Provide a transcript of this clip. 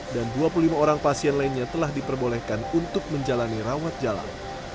dan dua puluh lima orang pasien lainnya telah diperbolehkan untuk menjalani rawat jalan